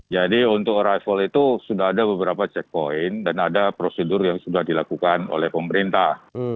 jadi untuk arrival itu sudah ada beberapa checkpoint dan ada prosedur yang sudah dilakukan oleh pemerintah